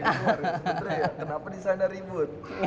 kenapa disana ribut